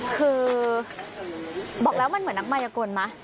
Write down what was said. คือบอกแล้วมันเหมือนนักมายกลไหม